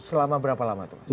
selama berapa lama